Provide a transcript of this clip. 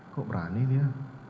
kok berani dia